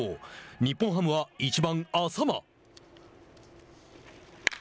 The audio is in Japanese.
日本ハムは１番淺間。